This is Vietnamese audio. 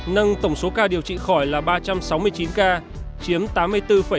nâng tổng số ca điều trị khỏi là ba trăm sáu mươi chín ca chiếm tám mươi bốn bảy